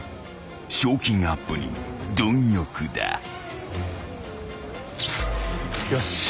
［賞金アップに貪欲だ］よし。